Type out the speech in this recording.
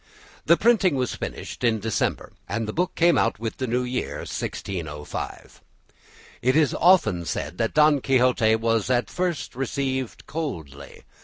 The printing was finished in December, and the book came out with the new year, 1605. It is often said that "Don Quixote" was at first received coldly.